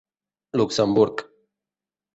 Luxemburg.